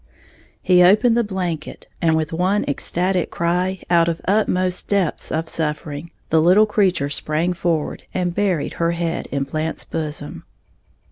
He opened the blanket, and with one ecstatic cry out of utmost depths of suffering, the little creature sprang forward, and buried her head in Blant's bosom.